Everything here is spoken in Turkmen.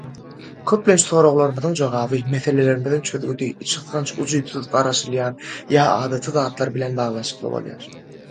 Köplenç, soraglarymyzyň jogaby, meselelerimiziň çözgüdi içgysgynç, ujypsyz, garaşylýan ýa adaty zatlar bilen baglanyşykly bolýar.